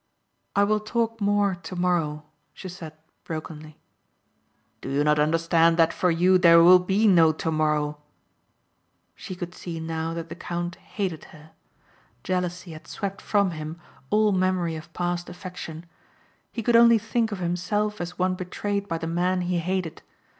"I will talk more tomorrow," she said brokenly. "Do you not understand that for you there will be no tomorrow?" She could see now that the count hated her. Jealousy had swept from him all memory of past affection. He could only think of himself as one betrayed by the man he hated.